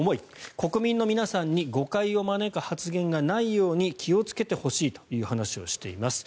国民の皆さんに誤解を招く発言がないように気をつけてほしいという話をしています。